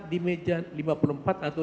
di meja lima puluh empat atau